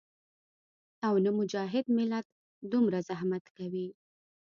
او نۀ مجاهد ملت دومره زحمت کوي